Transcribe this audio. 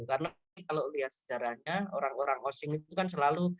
karena kalau lihat sejarahnya orang orang osing itu kan selalu